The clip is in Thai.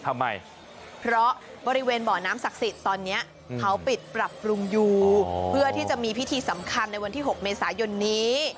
ทำไมเพราะบริเวณบ่อน้ำศักดิ์สิทธิ์ตอนนี้เขาปิดปรับปรุงอยู่เพื่อที่จะมีพิธีสำคัญในวันที่๖เมษายนนี้